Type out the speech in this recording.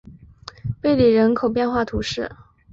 贝里人口变化图示